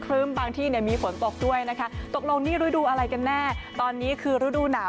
บางที่เนี่ยมีฝนตกด้วยนะคะตกลงนี่ฤดูอะไรกันแน่ตอนนี้คือฤดูหนาว